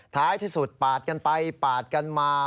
ท้ายที่สุดปาดกันไปปาดกันมา